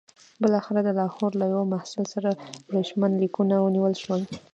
بالاخره د لاهور له یوه محصل سره ورېښمین لیکونه ونیول شول.